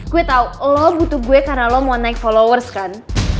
gue tau lo butuh gue karena lo mau naik followers kan